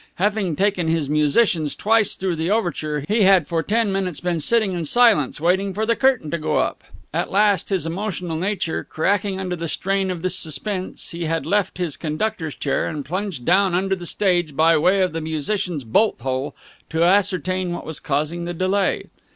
Having taken his musicians twice through the overture, he had for ten minutes been sitting in silence, waiting for the curtain to go up. At last, his emotional nature cracking under the strain of this suspense, he had left his conductor's chair and plunged down under the stage by way of the musician's bolthole to ascertain what was causing the delay.